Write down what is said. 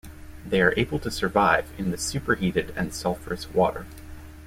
They are able to survive in the superheated and sulfurous water.